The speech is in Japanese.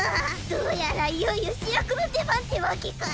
どうやらいよいよ主役の出番ってわけか。